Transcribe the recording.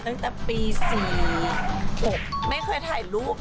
ทำไมใช้เพื่อนทำชายจริงครับ